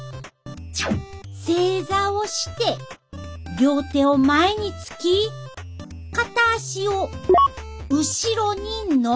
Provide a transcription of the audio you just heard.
正座をして両手を前につき片足を後ろにのばす。